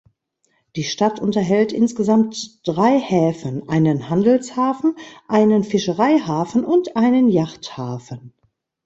Die Stadt unterhält insgesamt drei Häfen: einen Handelshafen, einen Fischereihafen und einen Yachthafen.